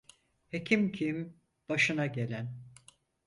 Hekim kim, başına gelen.